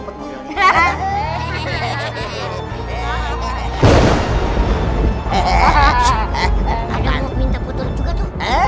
ada yang minta foto juga tuh